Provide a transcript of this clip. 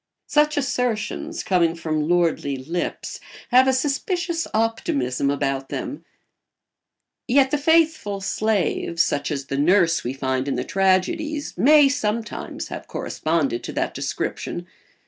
Such assertions, coming from lordly lips, have a suspicious optimism about them; yet the faithful slave, such as the nurse we find in the tragedies, may sometimes have corresponded to that description.